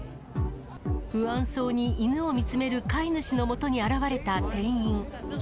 不安そうに犬を見つめる飼い主のもとに現れた店員。